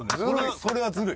それはずるい。